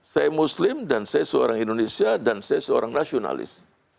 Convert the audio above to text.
saya muslim dan saya seorang indonesia dan saya seorang rasionalis